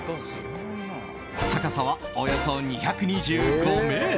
高さはおよそ２２５ｍ。